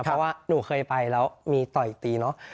เพราะว่าหนูเคยไปแล้วมีต่อยตีเนอะ